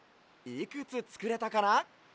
いくつつくれたかな？